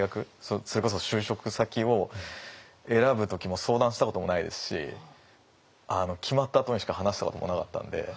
それこそ就職先を選ぶ時も相談したこともないですし決まったあとにしか話したこともなかったので。